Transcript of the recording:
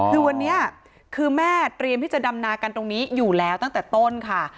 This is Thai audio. คือวันนี้คือแม่เตรียมที่จะดำนากันตรงนี้อยู่แล้วตั้งแต่ต้นค่ะ